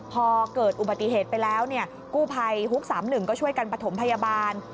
พอเกิดอุบัติเหตุไปแล้วกู้ภัยฮุก๓๑ก็ช่วยกันประถมพยาบาล